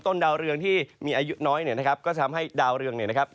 ดาวเรืองที่มีอายุน้อยเนี่ยนะครับก็ทำให้ดาวเรืองเนี่ยนะครับ